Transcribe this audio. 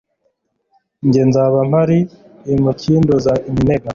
jye nzaba mpari umukinduza iminega